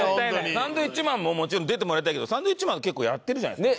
サンドウィッチマンももちろん出てもらいたいけどサンドウィッチマン結構やってるじゃないですか。